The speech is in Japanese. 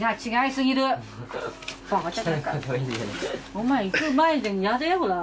お前行く前にやれほら。